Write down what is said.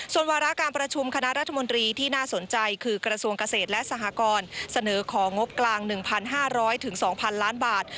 ส่วนวาระการประชุมคณะรัฐมนตรีที่น่าสนใจคือกระทรวงเกษตรและสหกรเสนอของงบกลาง๑๕๐๐๒๐๐ล้านบาท